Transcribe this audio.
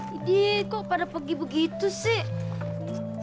kok pada pergi begitu sih